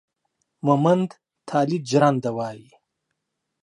مومند تالي جرنده وايي